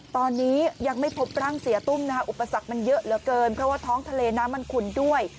ตอนนี้ยังไม่พบร่างเสียตุ้มนะคะอุปสรรคมันเยอะเหลือเกินเพราะว่าท้องทะเลน้ำมันขุ่นด้วย